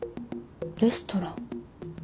レストラン。